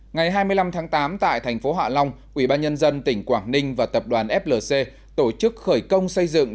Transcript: ngày hai mươi năm tháng tám tại thành phố hạ long ubnd tỉnh quảng ninh và tập đoàn flc tổ chức khởi công xây dựng